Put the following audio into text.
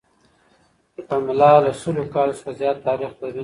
پملا له سلو کلونو څخه زیات تاریخ لري.